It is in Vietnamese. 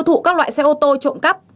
và tiêu thụ các loại xe ô tô trộm cắp